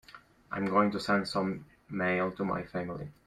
I am going to send some mail to my family.